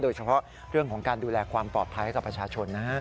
โดยเฉพาะเรื่องของการดูแลความปลอดภัยให้กับประชาชนนะฮะ